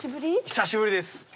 久しぶりです。